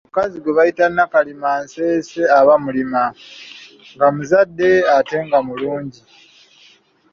Omukazi gwe bayita Nakalima nseese aba mulima, nga muzadde ate nga mulungi.